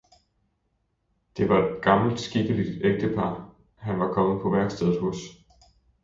det var et gammelt skikkeligt ægtepar, han var kommet på værkstedet hos.